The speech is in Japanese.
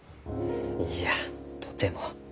いいやとても。